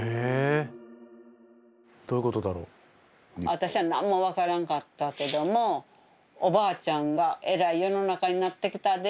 私は何も分からんかったけどもおばあちゃんが「えらい世の中になってきたで」